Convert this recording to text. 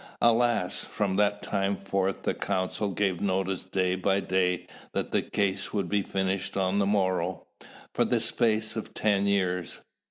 Alas! from that time forth the council gave notice day by day that the case would be finished on the morrow, for the space of ten years.